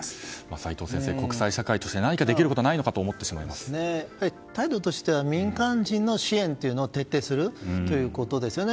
齋藤先生、国際社会として何かできることはないのかと態度としては民間人の支援というのを徹底するということですよね。